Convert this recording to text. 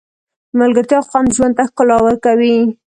د ملګرتیا خوند ژوند ته ښکلا ورکوي.